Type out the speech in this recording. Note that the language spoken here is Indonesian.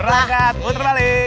berangkat puter balik